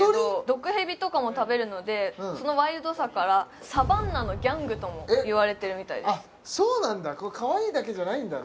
毒蛇とかも食べるのでそのワイルドさからサバンナのギャングともいわれてるみたいですそうなんだ可愛いだけじゃないんだね